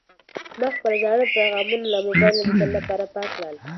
ما خپل ټول زاړه پیغامونه له موبایل نه د تل لپاره پاک کړل.